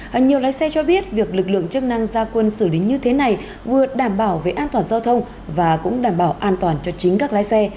và nhiều lái xe cho biết việc lực lượng chức năng gia quân xử lý như thế này vừa đảm bảo về an toàn giao thông và cũng đảm bảo an toàn cho chính các lái xe